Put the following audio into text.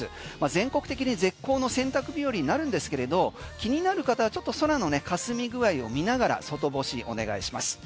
全国的に絶好の洗濯日和になるんですが気になる方はちょっと空のかすみ具合を見ながら外干し、お願いします。